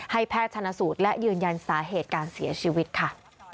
แพทย์ชนะสูตรและยืนยันสาเหตุการเสียชีวิตค่ะ